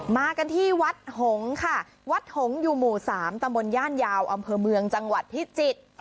มากันที่วัดหงค่ะวัดหงษ์อยู่หมู่๓ตำบลย่านยาวอำเภอเมืองจังหวัดพิจิตร